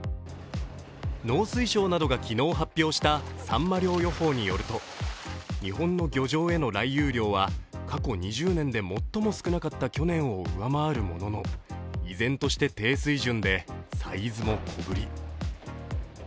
農水省などが昨日発表したさんま漁予報によると日本の漁場への来遊量は過去２０年で最も少なかった去年を上回るものの、依然として低水準でサイズも小ぶり。